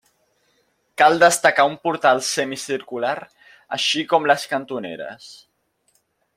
Cal destacar un portal semicircular així com les cantoneres.